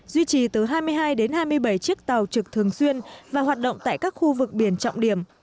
duy trì từ hai mươi hai đến hai mươi bảy chiếc tàu trực thường xuyên và hoạt động tại các khu vực biển trọng điểm